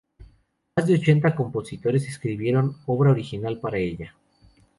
Más de ochenta compositores escribieron obra original para ella.